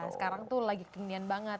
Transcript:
sekarang tuh lagi kekinian banget